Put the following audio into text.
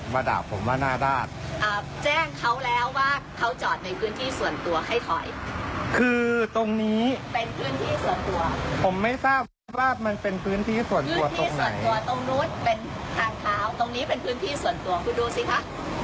มันมีพื้นที่ส่วนตัวคุณดูสิค่ะ